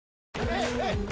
はい！